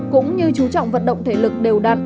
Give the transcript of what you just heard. cũng như chú trọng vận động thể lực đều đặn